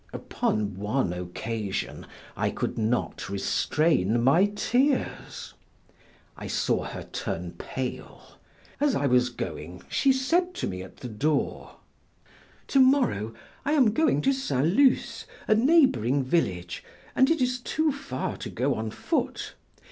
Upon one occasion, I could not restrain my tears; I saw her turn pale. As I was going, she said to me at the door: "To morrow, I am going to St. Luce, a neighboring village, and it is too far to go on foot.